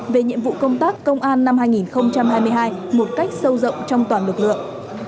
về nhiệm vụ công tác công an năm hai nghìn hai mươi hai một cách sâu rộng trong toàn lực lượng